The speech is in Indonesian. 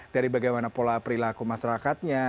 dari bagaimana pola perilaku masyarakatnya